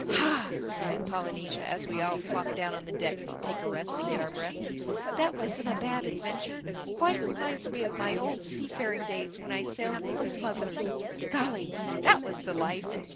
"Ha!" sighed Polynesia, as we all flopped down on the deck to take a rest and get our breath. "That wasn't a bad adventure—quite reminds me of my old seafaring days when I sailed with the smugglers—Golly, that was the life!